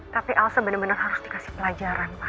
tapi elsa bener bener harus dikasih pelajaran pak